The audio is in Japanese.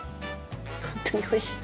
本当においしいっ！